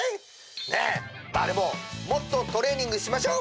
ねえもっとトレーニングしましょ！